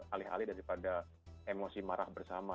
alih alih daripada emosi marah bersama